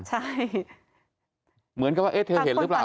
ใช่เหมือนกับว่าเอ๊ะเธอเห็นหรือเปล่า